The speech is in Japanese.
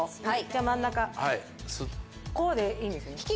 はいじゃあ真ん中こうでいいんですよね？